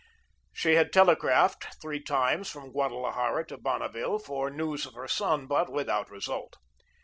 She had telegraphed three times from Guadalajara to Bonneville for news of her son, but without result.